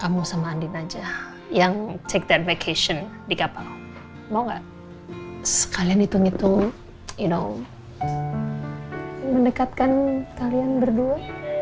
mau gak sekalian hitung hitung you know mendekatkan kalian berdua